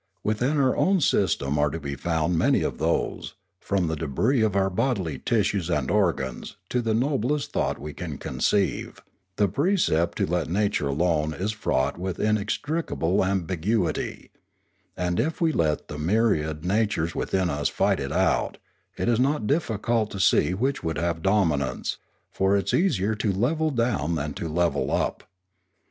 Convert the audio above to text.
Within our own sys tems are to be found many of those, from the debris of our bodily tissues and organs to the noblest thought we can conceive; the precept to let nature alone is fraught with inextricable ambiguity; and if we let the myriad natures within us fight it out, it is not difficult to see which would have dominance, for it is easier to level down than to level up.